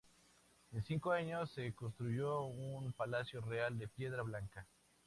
En cinco años, se construyó un palacio real de piedra blanca.